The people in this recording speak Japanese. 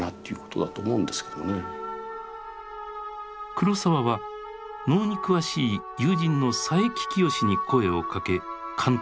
黒澤は能に詳しい友人の佐伯清に声をかけ監督を依頼。